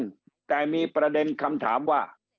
การแก้บนแต่มีประเด็นคำถามว่า